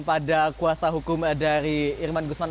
pada kuasa hukum dari irman gusman